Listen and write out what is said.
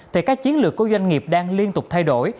thì các chiến lược của doanh nghiệp đang liên tục thay đổi